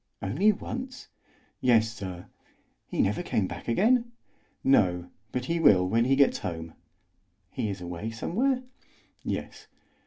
"Only once?" "Yes, sir." "He never came back again?" "No, but he will when he gets home." "He is away somewhere?" "Yes."